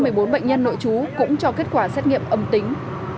một mươi bốn trên một mươi bốn bệnh nhân nội trú cũng cho kết quả xét nghiệm âm tính